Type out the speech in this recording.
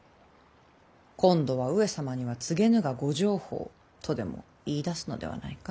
今度は上様には告げぬがご定法とでも言いだすのではないか？